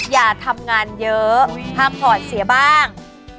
อย่าทำงานเยอะห้ามถอดเสียบ้าง